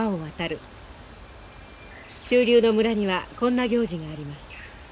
中流の村にはこんな行事があります。